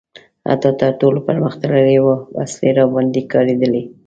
حتی تر ټولو پرمختللې وسلې راباندې کارېدلي.